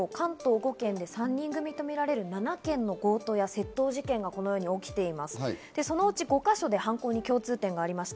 今月９日以降、関東で起きている３人組とみられる７件の強盗や窃盗事件がこのように起きています。